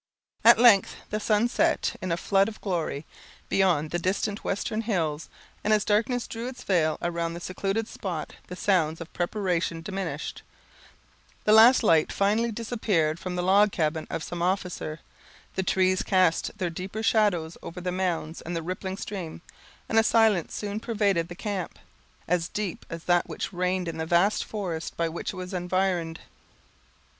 At length the sun set in a flood of glory, behind the distant western hills, and as darkness drew its veil around the secluded spot the sounds of preparation diminished; the last light finally disappeared from the log cabin of some officer; the trees cast their deeper shadows over the mounds and the rippling stream, and a silence soon pervaded the camp, as deep as that which reigned in the vast forest by which it was environed.